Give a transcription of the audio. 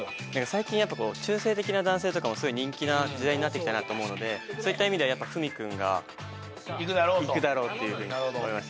最近やっぱ中性的な男性とかもすごい人気な時代になってきたなと思うのでそういった意味ではやっぱ史君がいくだろうと思いました